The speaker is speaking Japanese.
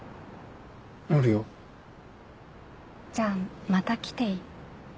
おるよじゃあまた来ていい？